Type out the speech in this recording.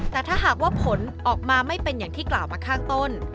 แต่ถ้าหากว่าผลออกมาไม่เป็นอย่างที่กล่าวมาข้างต้น